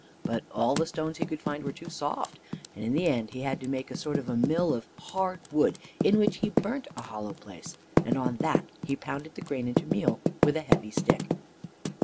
But all the stones he could find were too soft, and in the end he had to make a sort of mill of hard wood, in which he burnt a hollow place, and on that he pounded the grain into meal with a heavy stick.